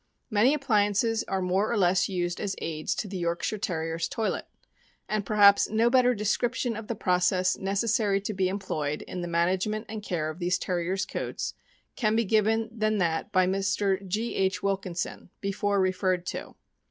Many appliances are more or less used as aids to the Yorkshire Terrier's toilet; and perhaps no better description of the process necessary to be employed in the management and care of these Terriers' coats can be given than that by Mr. G. H. Wilkinson, before referred to.